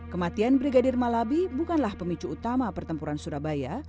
kematian brigadir malabi bukanlah pemicu utama pertempuran surabaya